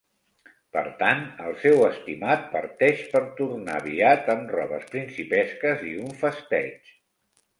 Per tant, el seu estimat parteix per tornar aviat amb robes principesques i un festeig.